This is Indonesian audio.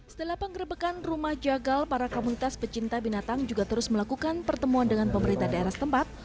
setelah penggerbekan rumah jagal para komunitas pecinta binatang juga terus melakukan pertemuan dengan pemerintah daerah setempat